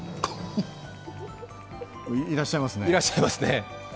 いらっしゃいますね。